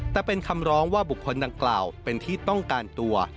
แต่เป็นคำร้องว่าบุคคลดังกล่าวเป็นที่ต้องการตัว